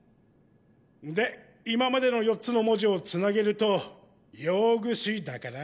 で今までの４つの文字をつなげると「ようぐし」だから。